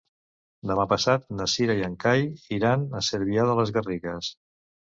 Demà passat na Cira i en Cai iran a Cervià de les Garrigues.